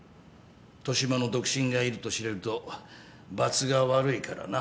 年増の独身がいると知れるとばつが悪いからな。